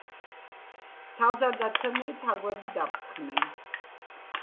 თავზარდაცემული თაგვები დაფრთხნენ.